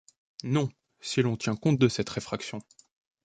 Non, si l’on tient compte de cette réfraction.